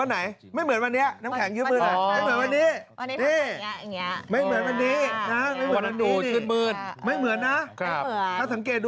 อันนี้แบบเหนื่อยประชุมเยอะทำงานหนัก